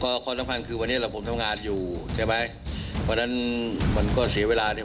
ความสำคัญคือวันนี้เราผมทำงานอยู่ใช่ไหมเพราะฉะนั้นมันก็เสียเวลาเนี่ย